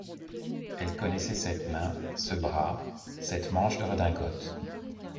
Elle connaissait cette main, ce bras, cette manche de redingote.